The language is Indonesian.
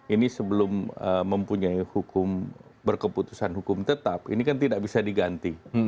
ini sebelum mempunyai hukum berkeputusan hukum tetap ini kan tidak bisa diganti